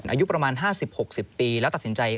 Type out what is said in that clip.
อายุประมาณ๕๐๖๐ปีแล้วตัดสินใจ